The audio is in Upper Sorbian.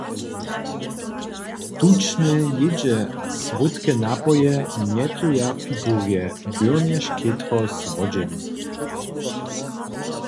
Tučne jědźe a słódke napoje njetyja figurje, byrnjež chětro słodźeli.